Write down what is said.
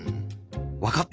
「わかった！」。